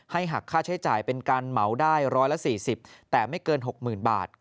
หักค่าใช้จ่ายเป็นการเหมาได้๑๔๐แต่ไม่เกิน๖๐๐๐บาท